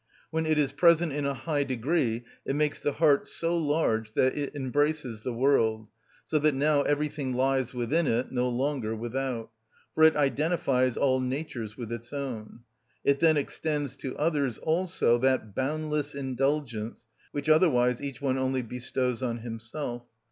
When it is present in a high degree it makes the heart so large that it embraces the world, so that now everything lies within it, no longer without; for it identifies all natures with its own. It then extends to others also that boundless indulgence which otherwise each one only bestows on himself.